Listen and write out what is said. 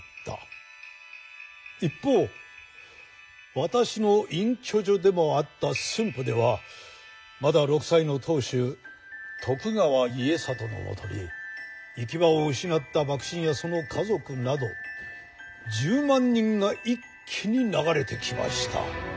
一方私の隠居所でもあった駿府ではまだ６歳の当主徳川家達のもとに行き場を失った幕臣やその家族など１０万人が一気に流れてきました。